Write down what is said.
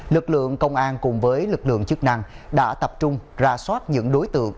lực lượng công an cùng với lực lượng chức năng đã tập trung ra soát những đối tượng